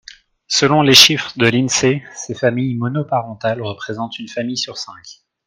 Selon les chiffres de l’INSEE, ces familles monoparentales représentent une famille sur cinq.